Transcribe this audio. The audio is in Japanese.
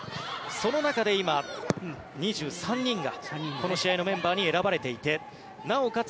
その中で今、２３人がこの試合のメンバーに選ばれていてなおかつ